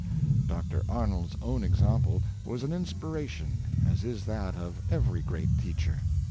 Dr. Arnold's own example was an inspiration, as is that of every great teacher.